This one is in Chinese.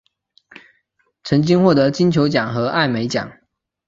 曾经获得金球奖和艾美奖。